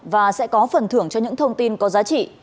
và sẽ có phần thưởng cho những thông tin có giá trị